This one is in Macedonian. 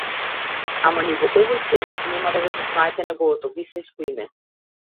Ама ни во овој филм нема да го дознаете неговото вистинско име.